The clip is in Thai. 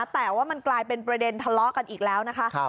แต่ว่ามันกลายเป็นประเด็นทะเลาะกันอีกแล้วนะคะ